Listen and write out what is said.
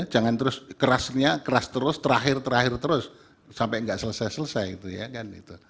jangan terus kerasnya keras terus terakhir terakhir terus sampai enggak selesai selesai